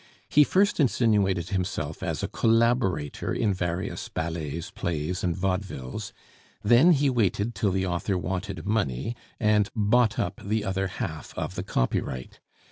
He first insinuated himself as a collaborator in various ballets, plays, and vaudevilles; then he waited till the author wanted money and bought up the other half of the copyright.